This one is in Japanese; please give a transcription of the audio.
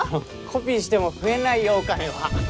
コピーしても増えないよお金は。